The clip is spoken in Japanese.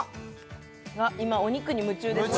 あっ今お肉に夢中ですね